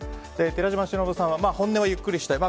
寺島しのぶさんは本音はゆっくりしたい。